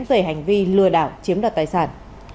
về hành vi lừa đảo chiếm đoạt tài sản